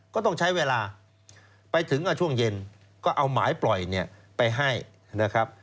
ก็ต้องใช้เวลาไปถึงก็ช่วงเย็นก็เอาหมายปล่อยเนี่ยไปให้นะครับ